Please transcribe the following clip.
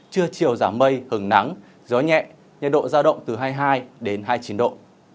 chưa chiều giảm mây hừng nắng gió nhẹ nhiệt độ ra động từ hai mươi hai đến hai mươi chín độ